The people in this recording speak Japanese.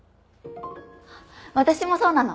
私もそうなの。